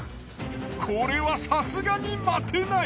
これはさすがに待てない。